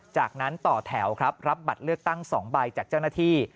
จากนั้นต่อแถวครับรับบัตรเลือกตั้ง๒ใบจากเจ้าหน้าที่